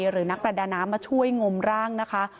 หรือนักประดาน้ำมาช่วยงมร่างนะคะ